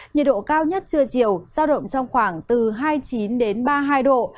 nhiệt độ cao nhất trưa chiều sao động trong khoảng hai mươi chín ba mươi hai độ